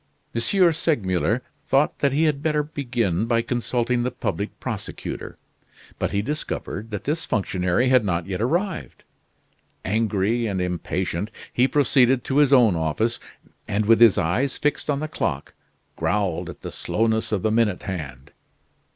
M. Segmuller thought that he had better begin by consulting the public prosecutor, but he discovered that this functionary had not yet arrived. Angry and impatient, he proceeded to his own office; and with his eyes fixed on the clock, growled at the slowness of the minute hand.